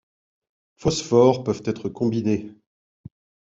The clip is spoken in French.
Phosphores peuvent être combinés.